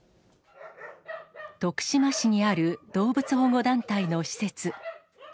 徳島市にある動物保護団体の施設。